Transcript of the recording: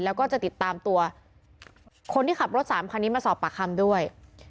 แล้วก็จะติดตามตัวคนที่ขับรถสามคันนี้มาสอบปากคำด้วย